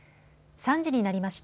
３時になりました。